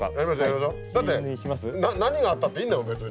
だって何があったっていいんだもん別に。